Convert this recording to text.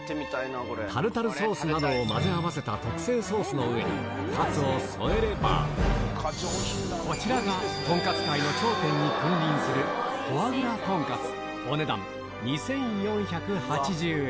タルタルソースなどを混ぜ合わせた特製ソースの上にかつを添えれば、こちらがとんかつ界の頂点に君臨するフォアグラとんかつ。